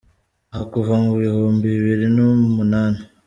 aho kuva mu w’ibihumbi bibiri n’umunani